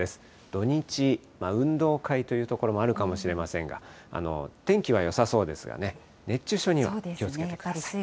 土日、運動会という所もあるかもしれませんが、天気はよさそうですがね、熱中症には気をつけてください。